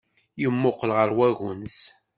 Yemmuqqel ɣer wagens.